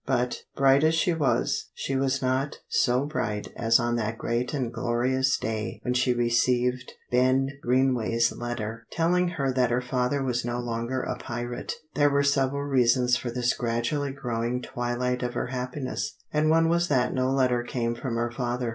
But, bright as she was, she was not so bright as on that great and glorious day when she received Ben Greenway's letter, telling her that her father was no longer a pirate. There were several reasons for this gradually growing twilight of her happiness, and one was that no letter came from her father.